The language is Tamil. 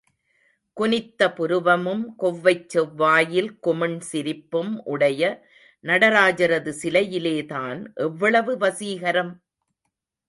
குனித்த புருவமும், கொவ்வைச் செவ்வாயில் குமிண் சிரிப்பும் உடைய நடராஜரது சிலையிலேதான் எவ்வளவு வசீகரம்!